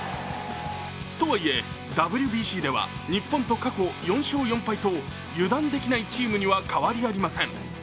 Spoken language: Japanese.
とはいえ、ＷＢＣでは日本と過去４勝４敗と油断できないチームには変わりありません。